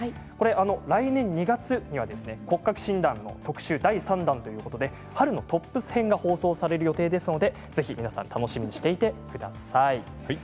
来年２月には骨格診断特集第３弾ということで春のトップス編が放送される予定ですので皆さん楽しみにしていてください。